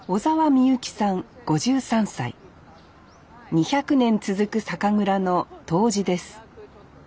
２００年続く酒蔵の杜氏です